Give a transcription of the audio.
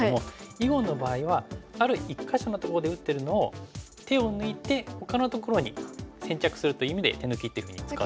囲碁の場合はある一か所のとこで打ってるのを手を抜いてほかのところに先着するという意味で手抜きっていうふうに使う。